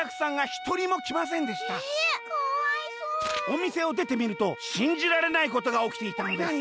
「おみせをでてみるとしんじられないことがおきていたのです」。